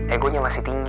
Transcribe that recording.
egonya masih tinggi